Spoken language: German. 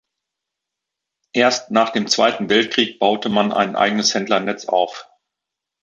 Erst nach dem Zweiten Weltkrieg baute man ein eigenes Händlernetz auf.